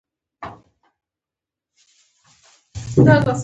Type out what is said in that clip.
یوه ډله خلکو له اوښانو سره لوبه کوله.